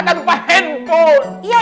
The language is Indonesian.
gak lupa handphone